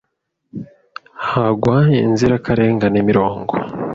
hagwa inzirakarengane mirongo,